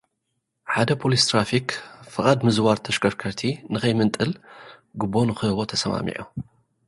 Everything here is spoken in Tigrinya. ሓደ ፖሊስ ትራፊክ፡ ፍቃድ ምዝዋር ተሽከርከርቲ ንኸይምንጥል፡ ጉቦ ንኽህቦ ተሰማሚዑ።